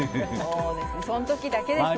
その時だけですもんね。